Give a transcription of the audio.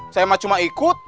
saya mah cuma ikut